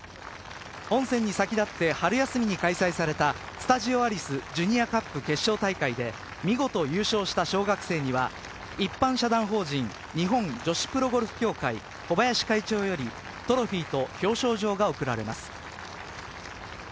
本戦に先立って春休みに開催されたスタジオアリスジュニアカップ決勝大会で見事優勝した小学生には一般社団法人日本女子プロゴルフ協会小林会長よりトロフィーと表彰状が贈られます。